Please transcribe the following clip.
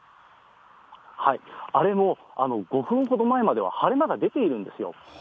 あれも、５分ほど前までは晴れ間が出ているんですよ。